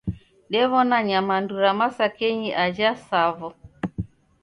Dewona nyamandu ra masakenyi ajha Tsavo